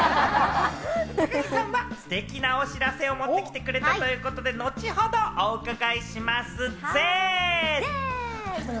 高城さんはステキなお知らせを持ってきてくれたということで、後ほどお伺いしますゼット！